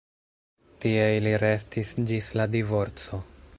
Tie ili restis ĝis la divorco.